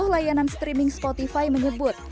layanan streaming spotify menyebut